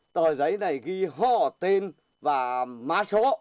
tờ giấy này ghi họ tên và má số